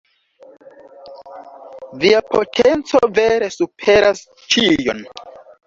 Via potenco vere superas ĉion.